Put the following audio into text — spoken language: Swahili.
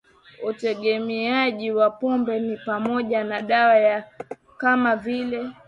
utegemeaji wa pombe ni pamoja na dawa ya kama vile